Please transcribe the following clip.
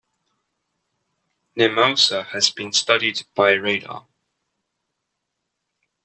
Nemausa has been studied by radar.